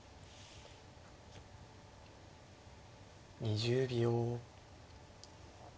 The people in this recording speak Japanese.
２０秒。